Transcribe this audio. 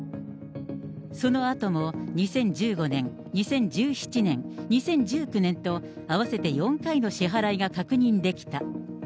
そのあとも２０１５年、２０１７年、２０１９年と、合わせて４回の支払いが確認できた。